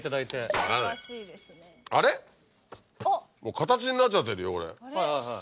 形になっちゃってる。